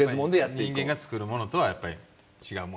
人間が作るものとはやっぱり違うもの。